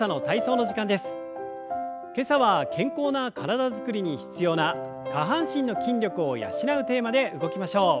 今朝は健康な体づくりに必要な下半身の筋力を養うテーマで動きましょう。